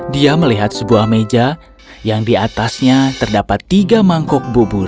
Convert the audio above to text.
dia melihat sebuah meja yang di atasnya terdapat tiga mangkok bubur